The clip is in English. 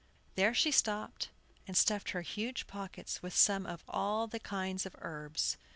There she stopped, and stuffed her huge pockets with some of all the kinds of herbs.